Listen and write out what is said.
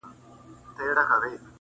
څهٔ به مې غرور د مینې پاتې وو